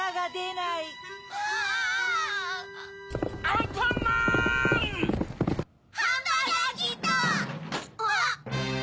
あっ！